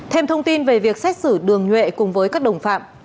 thêm thông tin về việc xét xử đường nhuệ cùng với các đồng phạm